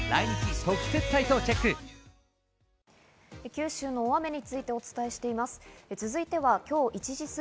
九州の大雨についてお伝えしています。